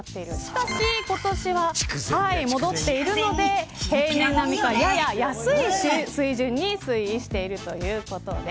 しかし今年は戻っているので平年より、やや安い水準に推移しているということです。